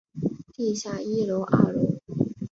地下一楼二楼